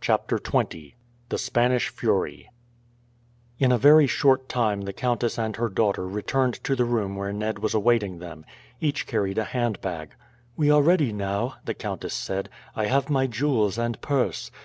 CHAPTER XX THE "SPANISH FURY" In a very short time the countess and her daughter returned to the room where Ned was awaiting them. Each carried a handbag. "We are ready now," the countess said. "I have my jewels and purse.